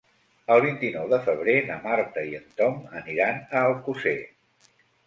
El vint-i-nou de febrer na Marta i en Tom aniran a Alcosser.